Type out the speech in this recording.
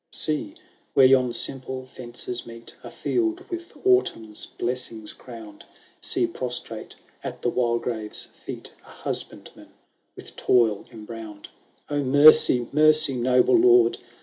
XYI See, where yon simple fences meet, A field with autumn's blessings crowned ; See, prostrate at the Wildgrave's feet, A husbandman, with toil embrowned : XVII " O mercy, mercy, noble lord